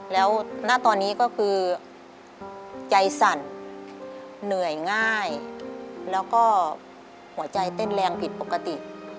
แล้วณตอนนี้ก็คือใจสั่นเหนื่อยง่ายแล้วก็หัวใจเต้นแรงผิดปกติ